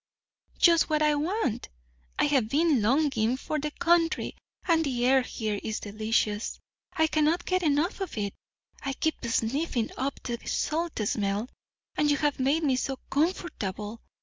"Just what I want! I have been longing for the country; and the air here is delicious. I cannot get enough of it. I keep sniffing up the salt smell. And you have made me so comfortable!